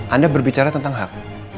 anda berbicara tentang hak